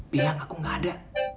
bilang aku gak ada